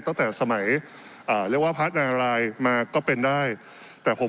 ตั้งแต่สมัยอ่าเรียกว่าพระนารายมาก็เป็นได้แต่ผม